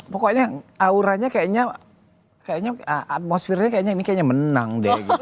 pokoknya auranya kayaknya atmosfernya kayaknya ini kayaknya menang deh gitu